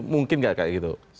mungkin tidak seperti itu